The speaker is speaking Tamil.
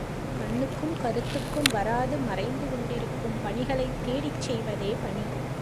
கண்ணுக்கும் கருத்துக்கும் வராது மறைந்து கொண்டிருக்கும் பணிகளைத் தேடிச் செய்வதேபணி.